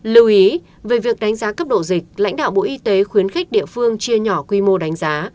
lưu ý về việc đánh giá cấp độ dịch lãnh đạo bộ y tế khuyến khích địa phương chia nhỏ quy mô đánh giá